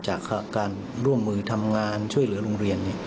จากการร่วมมือทำงานช่วยเหลือโรงเรียน